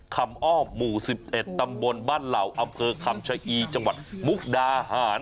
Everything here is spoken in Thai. คำอ้อมหมู่๑๑ตำบลบ้านเหล่าอำเภอคำชะอีจังหวัดมุกดาหาร